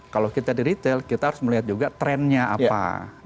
kalau kita di retail kita harus melihat juga trennya apa